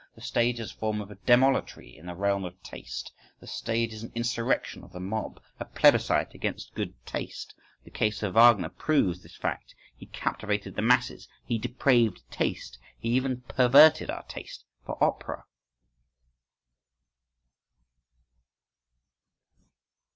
… The stage is a form of Demolatry in the realm of taste, the stage is an insurrection of the mob, a plébiscite against good taste.… The case of Wagner proves this fact: he captivated the masses—he depraved taste, he even perverted our taste for opera!